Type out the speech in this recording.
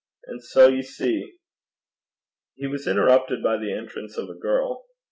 An' sae ye see ' He was interrupted by the entrance of a girl.